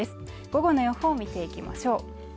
午後の予報見ていきましょう